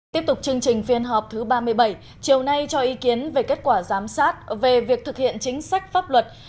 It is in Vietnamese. tiếp tục chương trình phiên họp thứ ba mươi bảy chiều nay cho ý kiến về kết quả giám sát về việc thực hiện chính sách pháp luật